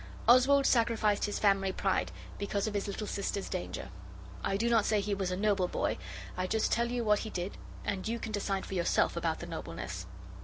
Oswald sacrificed his family pride because of his little sister's danger. I do not say he was a noble boy I just tell you what he did, and you can decide for yourself about the nobleness.